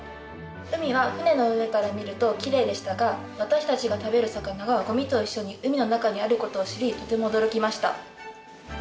海は船の上から見るときれいでしたが私たちが食べる魚がゴミと一緒に海の中にあることを知りとても驚きました。